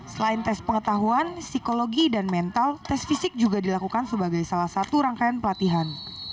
selain tes pengetahuan psikologi dan mental tes fisik juga dilakukan sebagai salah satu rangkaian pelatihan